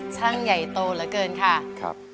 ช่างใหญ่โตเหลือเกินค่ะ